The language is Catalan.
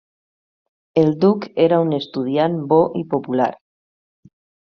El duc era un estudiant bo i popular.